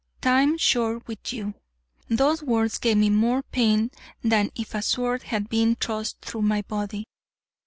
"Time short with you." Those words gave me more pain than if a sword had been thrust through my body.